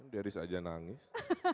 dari saja nangis